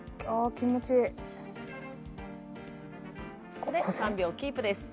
ここで３秒キープです